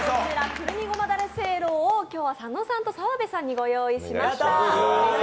くるみごまだれせいろを今日は佐野さんと澤部さんにご用意しました。